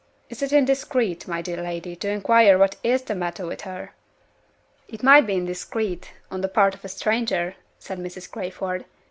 Is it indiscreet, my dear lady, to inquire what is the matter with her?" "It might be indiscreet, on the part of a stranger," said Mrs. Crayford.